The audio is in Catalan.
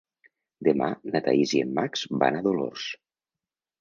Demà na Thaís i en Max van a Dolors.